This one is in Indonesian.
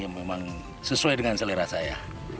memang sesuai dengan selera saya